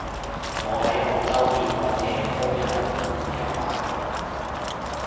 我喺廣州見過嘅都有好有壞